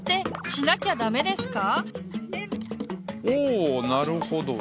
おおなるほど。